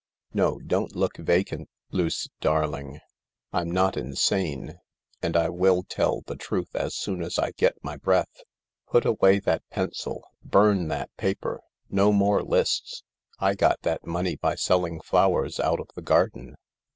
No, don't look vacant, Luce darling. I'm not insane, and I will tell the truth as soon as I get my breath. Put away that pencil, burn that paper. No more lists ! I got that money by selling flowers out of the garden.